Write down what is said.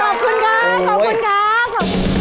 ขอบคุณครับ